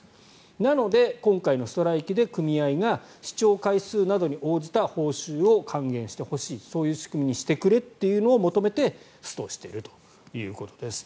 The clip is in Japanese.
なので、今回のストライキで組合が視聴回数などに応じた報酬を還元してほしいそういう仕組みにしてくれというのを求めてストをしているということです。